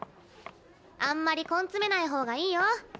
あんまり根詰めない方がいいよ。